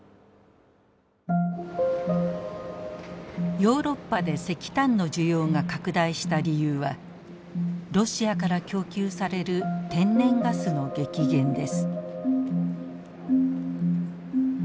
ヨーロッパで石炭の需要が拡大した理由はロシアから供給される天然ガスの激減です。